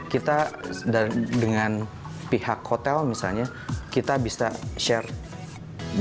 kita dengan pihak hotel misalnya kita bisa share